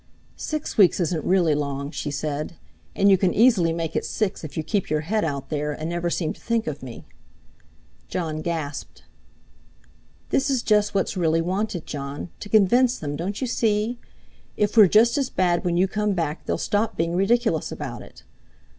"Six weeks isn't really long," she said; "and you can easily make it six if you keep your head out there, and never seem to think of me." Jon gasped. "This is just what's really wanted, Jon, to convince them, don't you see? If we're just as bad when you come back they'll stop being ridiculous about it.